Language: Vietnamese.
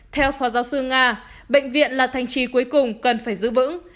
theo phó giáo sư nga bệnh viện là thành trì cuối cùng cần phải giữ vững